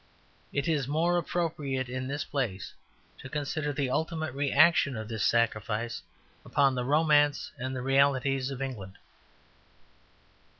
It is more appropriate in this place to consider the ultimate reaction of this sacrifice upon the romance and the realities of England.